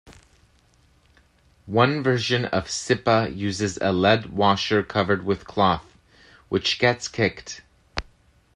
One version of Sipa uses a lead washer covered with cloth, which gets kicked.